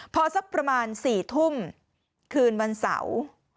พอสักประมาณ๔ทุ่มคืนวันเสาร์